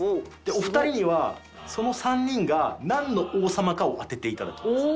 お二人にはその３人がなんの王様かを当てていただきます。